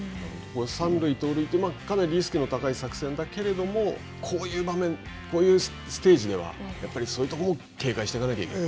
三塁盗塁って、かなりリスクの高い作戦だけれども、こういう場面、こういうステージではそういうところも警戒していかなきゃいけない。